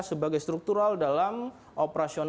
sebagai struktural dalam operasi